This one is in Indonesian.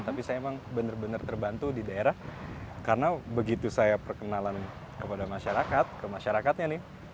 tapi saya emang bener bener terbantu di daerah karena begitu saya perkenalan kepada masyarakat ke masyarakatnya nih